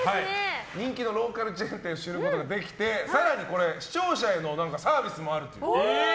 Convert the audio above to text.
人気のローカルチェーン店を知ることができて更に視聴者へのサービスもある。